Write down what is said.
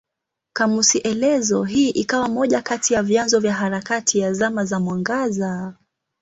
Kamusi elezo hii ikawa moja kati ya vyanzo vya harakati ya Zama za Mwangaza.